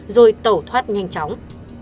rồi tẩu thoát nhanh chóng